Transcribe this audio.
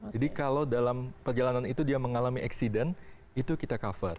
jadi kalau dalam perjalanan itu dia mengalami eksiden itu kita cover